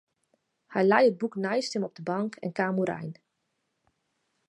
Hy lei it boek neist him op de bank en kaam oerein.